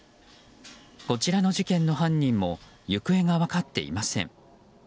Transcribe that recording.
こちらの事件の犯人も行方が分かっていません。